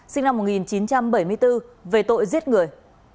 sinh năm một nghìn chín trăm bảy mươi bốn về tội giết người